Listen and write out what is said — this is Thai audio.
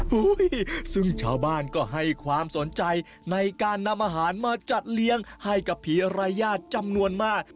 ซึ่งชาวบ้านก็ให้ความสนใจในการนำอาหารมาจัดเลี้ยงให้กับผีรายญาติจำนวนมาก